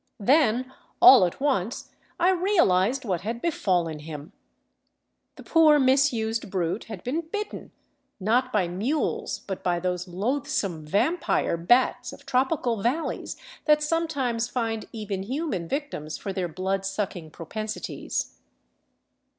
Then, all at once, I realized what had befallen him.; The poor, misused brute had been bitten, not by mules, but by those loathsome vampire bats of tropical valleys that sometimes find even human victims for their blood sucking propensities.